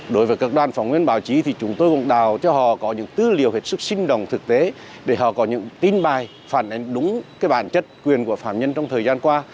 đối với các đoàn phóng viên báo chí thì chúng tôi cũng đào cho họ có những tư liệu hết sức sinh động thực tế để họ có những tin bài phản ánh đúng bản chất quyền của phạm nhân trong thời gian qua